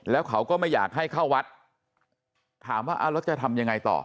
แล้วเขาก็ไม่อยากให้เข้าวัดถามว่าเอาแล้วจะทำยังไงต่อ